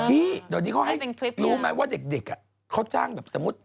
ตอนนี้เขาให้รู้ไหมว่าเด็กอ่ะเขาจ้างแบบสมมุติ